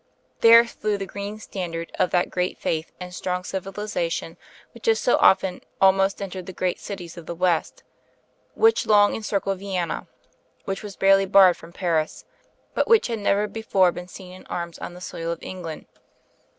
There flew the green standard of that groiat faith and strong civilization which has so often almost en tered the great cities of the West; which lc«ig^encir cled Vienna, which was barely barred from Paris; but which had never before been seen in arms ort the soil of England.